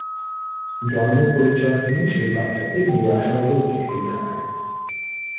জন্ম-পরিচয়হীন সেই বাচ্চাকে দিয়ে আসা হল একটি এতিম খানায়।